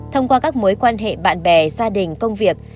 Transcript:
thông qua các mối quan hệ bạn bè gia đình công việc